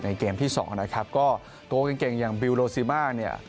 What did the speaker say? เกมที่สองนะครับก็ตัวเก่งเก่งอย่างบิลโลซิมาเนี่ย